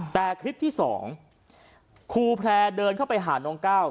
แต่คลิปที่๒ครูแพร่เดินเข้าไปหาน้องก้าว